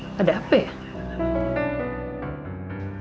oh ada apa ya